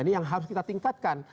ini yang harus kita tingkatkan